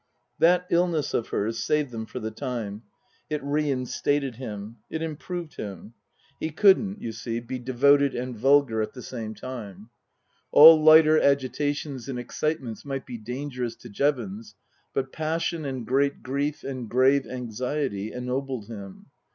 That illness of hers saved them for the time. It re instated him. It improved him. He couldn't, you see, 204 Tasker Jevons be devoted and vulgar at the same time. All lighter agitations and excitements might be dangerous to Jevons, but passion and great grief and grave anxiety ennobled him.